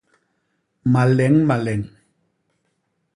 Maleñ maleñ.